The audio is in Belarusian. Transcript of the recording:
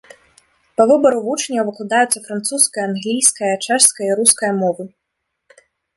Па выбару вучняў выкладаюцца французская, англійская, чэшская і руская мовы.